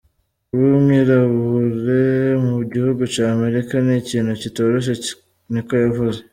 kuba umwirabure mu gihugu ca Amerika n'ikintu kitoroshe," ni ko yavuze.